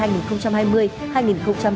giai đoạn hai nghìn hai mươi hai nghìn hai mươi một